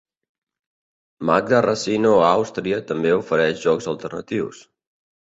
Magna Racino a Àustria també ofereix jocs alternatius.